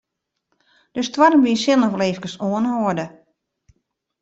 De stoarmwyn sil noch wol efkes oanhâlde.